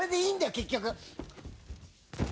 結局。